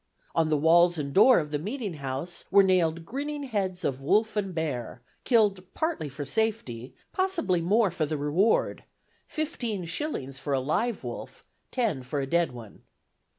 On the walls and door of the meeting house were nailed grinning heads of wolf and bear, killed partly for safety, possibly more for the reward: fifteen shillings for a live wolf, ten for a dead one.